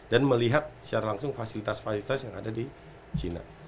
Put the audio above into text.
dan melihat secara langsung fasilitas fasilitas yang ada di china